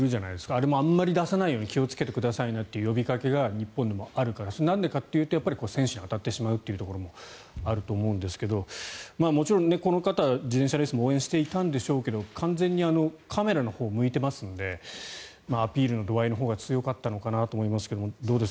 あれもあんまり出せないように気をつけてくださいねという呼びかけが日本でもあるからなんでかっていうと選手に当たってしまうというところもあると思うんですけどもちろんこの方は自転車レースを応援していたんでしょうけど完全にカメラのほうを向いていますのでアピールの度合いのほうが強かったのかなと思いますけどどうです？